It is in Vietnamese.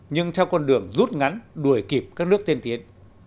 nhưng theo con đường rút ngắn đuổi kịp các nước tiên tiến